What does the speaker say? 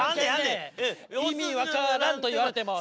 意味分からんと言われても。